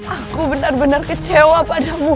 aku benar benar kecewa padamu